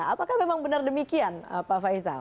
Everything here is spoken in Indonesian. apakah memang benar demikian pak faisal